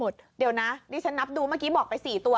เดี๋ยวนะดิฉันนับดูเมื่อกี้บอกไป๔ตัว